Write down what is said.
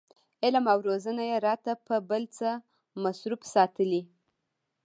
علم او روزنه یې راته په بل څه مصروف ساتلي.